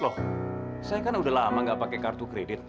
loh saya kan udah lama gak pakai kartu kredit